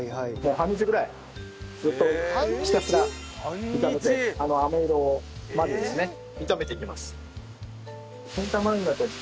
半日ぐらいずっとひたすら炒めてあめ色までですね炒めていきます。